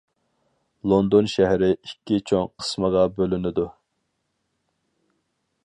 لوندون شەھىرى ئىككى چوڭ قىسمىغا بۆلۈنىدۇ.